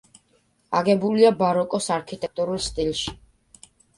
აგებულია ბაროკოს არქიტექტურულ სტილში.